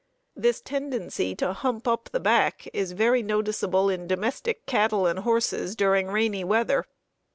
This tendency to "hump up" the back is very noticeable in domestic cattle and horses during rainy weather.